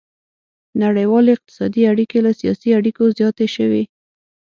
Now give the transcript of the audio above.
نړیوالې اقتصادي اړیکې له سیاسي اړیکو زیاتې شوې